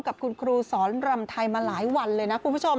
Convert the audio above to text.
กับคุณครูสอนรำไทยมาหลายวันเลยนะคุณผู้ชม